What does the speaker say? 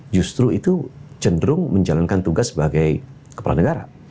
justru itu cenderung menjalankan tugas sebagai kepala negara